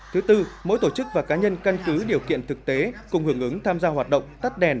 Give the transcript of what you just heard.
thứ tư mỗi tổ chức và cá nhân căn cứ điều kiện thực tế cùng hưởng ứng tham gia hoạt động tắt đèn